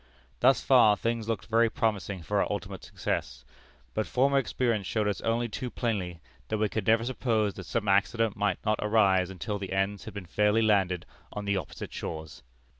Thus far things looked very promising for our ultimate success. But former experience showed us only too plainly that we could never suppose that some accident might not arise until the ends had been fairly landed on the opposite shores.